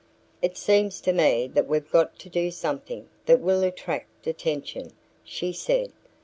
"It seems to me that we've got to do something that will attract attention," she said.